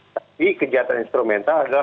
tapi kejahatan instrumental adalah